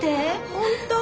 本当！